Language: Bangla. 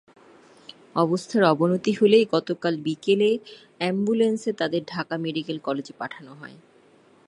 অবস্থার অবনতি হলে গতকাল বিকেলে অ্যাম্বুলেন্সে তাঁদের ঢাকা মেডিকেল কলেজে পাঠানো হয়।